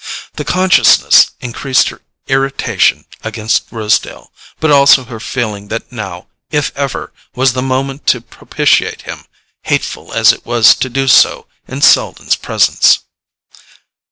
The consciousness increased her irritation against Rosedale, but also her feeling that now, if ever, was the moment to propitiate him, hateful as it was to do so in Selden's presence.